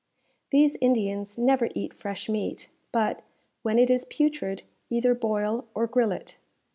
These Indians never eat fresh meat; but, when it is putrid, either boil or grill it.